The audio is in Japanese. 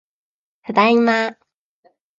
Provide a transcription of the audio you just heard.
ただいま